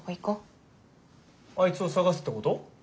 あいつを捜すってこと？